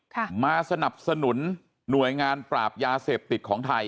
ค่ะมาสนับสนุนหน่วยงานปราบยาเสพติดของไทย